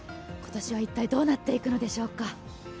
今年は一体どうなっていくのでしょうか。